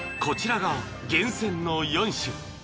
［こちらが厳選の４種］